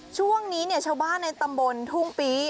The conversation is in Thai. ช่วงนี้ชาวบ้านในตำบลทุ่มปี